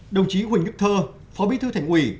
đồng chí huỳnh đức thơ phó bí thư thành ủy